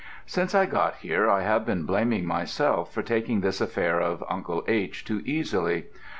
Since I got here I have been blaming myself for taking this affair of Uncle H. too easily.